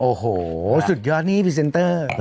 โอ้โหสุดยอดนี่พรีเซนเตอร์